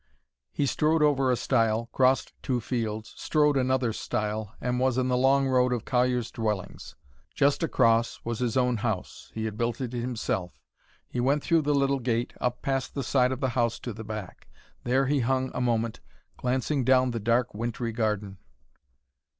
He strode over a stile, crossed two fields, strode another stile, and was in the long road of colliers' dwellings. Just across was his own house: he had built it himself. He went through the little gate, up past the side of the house to the back. There he hung a moment, glancing down the dark, wintry garden.